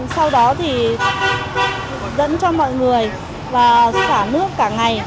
sau đó thì dẫn cho mọi người và xả nước cả ngày